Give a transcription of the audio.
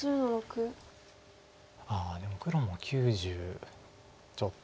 ああでも黒も９０ちょっと。